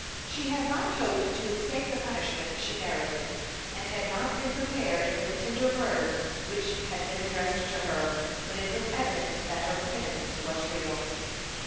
She had not hoped to escape the punishment she merited, and had not been prepared for the tender words which had been addressed to her when it was evident that her penitence was real.